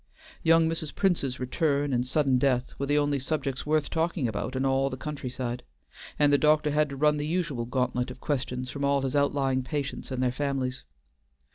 Young Mrs. Prince's return and sudden death were the only subjects worth talking about in all the country side, and the doctor had to run the usual gauntlet of questions from all his outlying patients and their families.